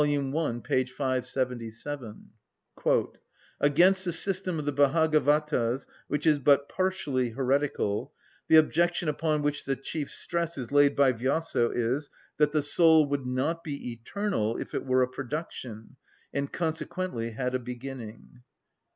i. p. 577: "Against the system of the Bhagavatas which is but partially heretical, the objection upon which the chief stress is laid by Vyaso is, that the soul would not be eternal if it were a production, and consequently had a beginning."